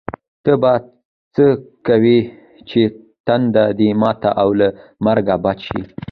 ته به څه کوې چې تنده دې ماته او له مرګه بچ شې.